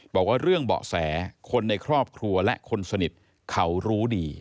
บอกว่าเรื่องเบาะแสคนในครอบครัวและคนสนิทเขารู้ดี